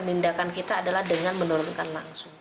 tindakan kita adalah dengan menurunkan langsung